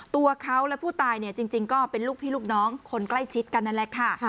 ตัวเขาและผู้ตายเนี่ยจริงก็เป็นลูกพี่ลูกน้องคนใกล้ชิดกันนั่นแหละค่ะ